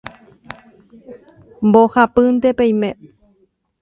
mbohapýnte peime